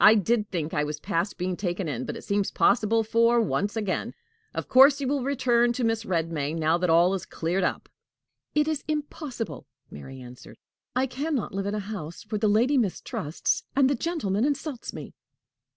I did think I was past being taken in, but it seems possible for once again. Of course, you will return to Mrs. Redmain now that all is cleared up." "It is impossible," Mary answered. "I can not live in a house where the lady mistrusts and the gentleman insults me."